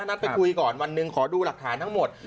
นัดไปคุยก่อนวันหนึ่งขอดูหลักฐานทั้งหมด